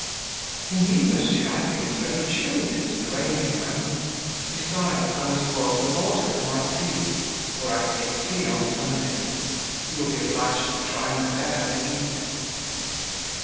"Indeed, monsieur, I feel it very chilly since the rain began; besides, I must boil the water for my tea, for I take tea on Sundays; you will be obliged to try and bear the heat."